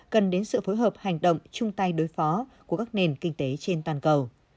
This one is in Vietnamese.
cần đến sự phối hợp hành động chung tay đối phó của các nền kinh tế trên toàn cầu